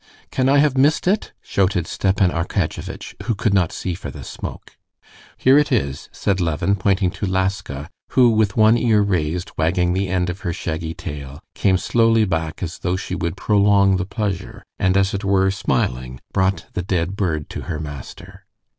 "Can I have missed it?" shouted Stepan Arkadyevitch, who could not see for the smoke. "Here it is!" said Levin, pointing to Laska, who with one ear raised, wagging the end of her shaggy tail, came slowly back as though she would prolong the pleasure, and as it were smiling, brought the dead bird to her master.